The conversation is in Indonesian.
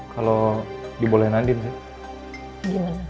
kalo diboleh nandin sih